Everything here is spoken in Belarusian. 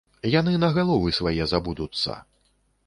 Яны на галовы свае забудуцца.